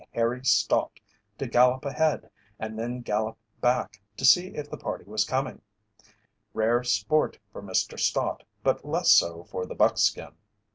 Harry Stott to gallop ahead and then gallop back to see if the party was coming: rare sport for Mr. Stott, but less so for the buckskin.